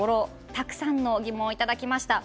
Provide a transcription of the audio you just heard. たくさんの疑問をいただきました。